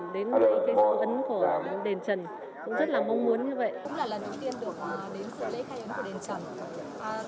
đến lễ khai ấn của đền trần cũng rất là mong muốn như vậy